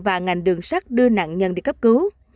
và ngành đường sắt đưa nạn nhân đi cấp cứu